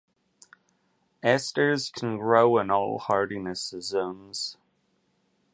Asters can grow in all hardiness zones.